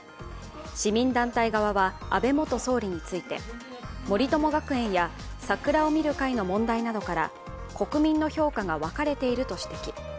市民団体側は安倍元総理について、森友学園や桜を見る会の問題などから国民の評価が分かれていると指摘。